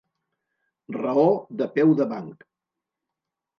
Raó de peu de banc.